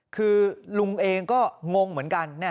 คือลุงเองก็งงเหมือนกัน